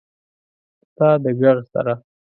ستا د ږغ سره…